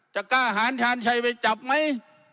กล้าหารชาญชัยไปจับไหม